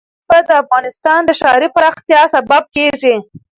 مزارشریف د افغانستان د ښاري پراختیا سبب کېږي.